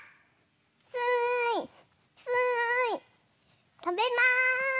すいすいとべます。